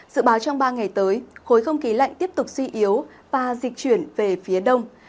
dự báo trong ba ngày tới khối không khí lạnh tiếp tục suy yếu và dịch chuyển về phía đông